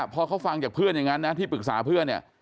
พอเขาฟังจากเพื่อนอย่างนั้นนะที่ปรึกษาเพื่อนเนี่ย